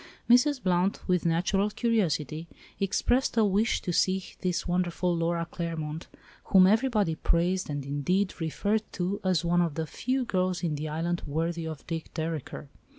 Mrs. Blount, with natural curiosity, expressed a wish to see this wonderful Laura Claremont—whom everybody praised and indeed referred to as one of the few girls in the island worthy of Dick Dereker.